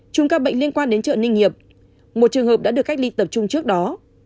chung các bệnh liên quan đến chợ ninh nghiệp một trường hợp đã được cách ly tập trung trước đó